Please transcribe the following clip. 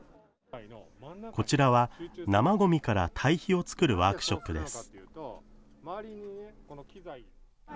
こちらは生ごみから堆肥を作るワークショップです。